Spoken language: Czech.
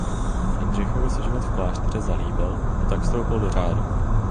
Jindřichovi se život v klášteře zalíbil a tak vstoupil do řádu.